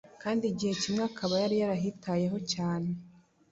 kandi igihe kimwe akaba yari yarahitayeho cyane.